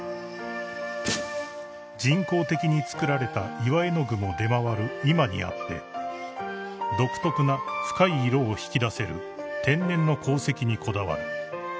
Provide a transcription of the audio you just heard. ［人工的に作られた岩絵の具も出回る今にあって独特な深い色を引き出せる天然の鉱石にこだわる］